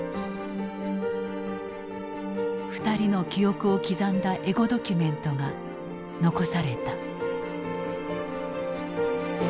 ２人の記憶を刻んだエゴドキュメントが残された。